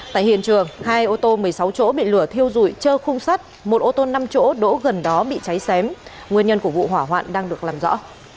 tại hiện trường hai ô tô một mươi sáu chỗ bị lửa thiêu dụi trơ khung sắt một ô tô năm chỗ đỗ gần đó bị cháy xém nguyên nhân của vụ hỏa hoạn đang được làm rõ